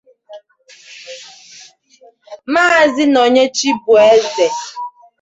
Maazị Nonye Chibueze